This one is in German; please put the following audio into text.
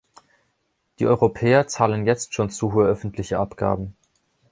Die Europäer zahlen jetzt schon zu hohe öffentliche Abgaben.